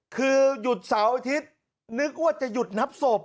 คือหยุดเสาร์อาทิตย์นึกว่าจะหยุดนับศพ